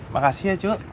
makasih ya cuk